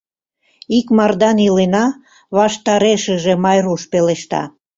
— Икмардан илена, — ваштарешыже Майруш пелешта.